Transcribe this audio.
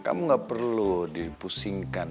kamu gak perlu dipusingkan